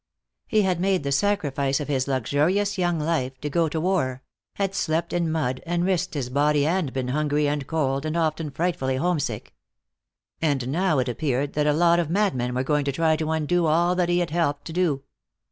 He had made the sacrifice of his luxurious young life to go to war, had slept in mud and risked his body and been hungry and cold and often frightfully homesick. And now it appeared that a lot of madmen were going to try to undo all that he had helped to do.